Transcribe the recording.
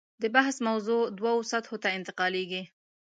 د بحث موضوع دوو سطحو ته انتقالېږي.